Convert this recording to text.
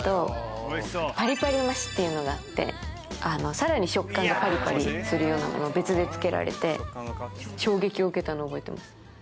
さらに食感がパリパリするのを別で付けられて衝撃を受けたのを覚えてます